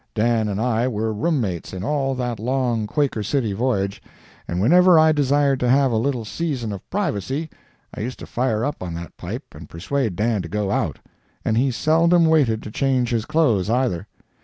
Dan and I were room mates in all that long "Quaker City" voyage, and whenever I desired to have a little season of privacy I used to fire up on that pipe and persuade Dan to go out; and he seldom waited to change his clothes, either.